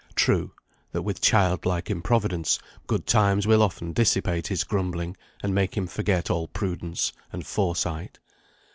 True, that with child like improvidence, good times will often dissipate his grumbling, and make him forget all prudence and foresight.